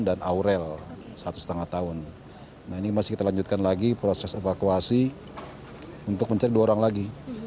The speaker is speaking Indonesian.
dan aurel satu lima tahun nah ini masih kita lanjutkan lagi proses evakuasi untuk mencari dua orang lagi